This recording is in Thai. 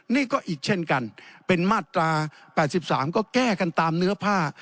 นี่ก็อีกเช่นกันเป็นมาตรา๘๓ก็แก้กันตามเนื้อผ้า